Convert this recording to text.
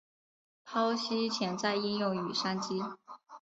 剖析潜在应用与商机